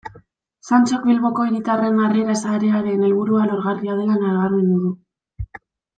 Santxok Bilboko Hiritarren Harrera Sarearen helburua lorgarria dela nabarmendu du.